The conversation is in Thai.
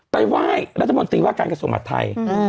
ไปไหว้รัฐมนตรีว่าการกระทรวงมหาดไทย